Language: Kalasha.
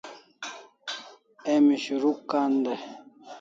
Emi shuruk kan dai